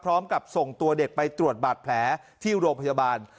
พร้อมกับส่งตัวเด็กไปตรวจบาดแผลที่โรงพยาบาล